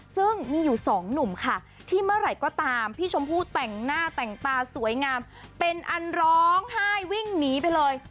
ซึ่งมีอยู่สองหนุ่มค่ะที่เมื่อไหร่ก็ตามพี่ชมพู่แต่งหน้าแต่งตาสวยงามเป็นอันร้องไห้วิ่งหนีไปเลย